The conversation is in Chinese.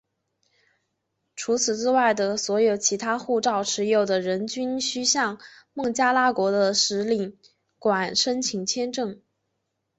除此之外的所有其他护照持有人均须向孟加拉国的使领馆申请签证。